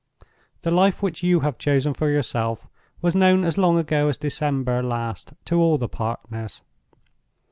The life which you have chosen for yourself was known as long ago as December last to all the partners.